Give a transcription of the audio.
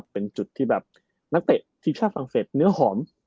เป็นจุดที่แบบนักเตะทีมชาติฝรั่งเศสเนื้อหอม